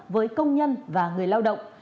với công nhân và người lao động